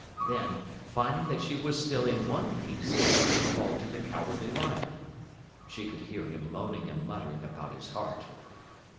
Then, finding that she was still in one piece, she called to the Cowardly Lion. She could hear him moaning and muttering about his heart.